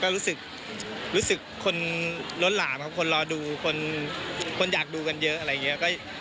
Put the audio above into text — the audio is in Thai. ก็รู้สึกรู้สึกคนล้นหลามครับคนรอดูคนอยากดูกันเยอะอะไรอย่างนี้